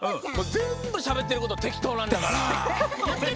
ぜんぶしゃべってることてきとうなんだから。